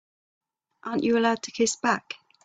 Aren't you allowed to kiss back?